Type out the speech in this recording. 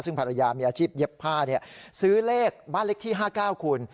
ซึ่งภรรยามีอาชีพเย็บผ้าซื้อเลขบ้านเลขที่๕๙คุณ